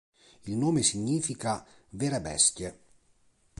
Il nome significa "vere bestie".